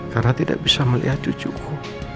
karena tidak bisa melihat cucuku